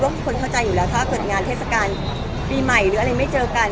ทุกคนเข้าใจอยู่แล้วถ้าเกิดงานเทศกาลปีใหม่หรืออะไรไม่เจอกัน